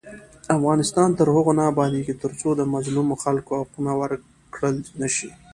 افغانستان تر هغو نه ابادیږي، ترڅو د مظلومو خلکو حقونه ورکړل نشي.